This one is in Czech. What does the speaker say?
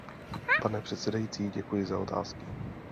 Pane předsedající, děkuji za otázky.